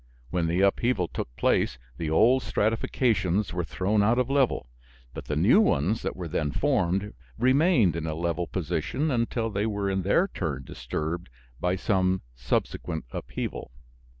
When the upheaval took place the old stratifications were thrown out of level, but the new ones that were then formed remained in a level position until they were in their turn disturbed by some subsequent upheaval.